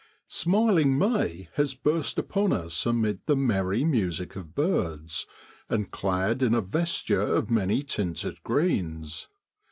Smiling May has burst upon us amid the merry music of birds, and clad in a vesture of many tinted greens.